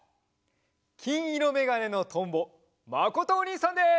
きんいろめがねのとんぼまことおにいさんです！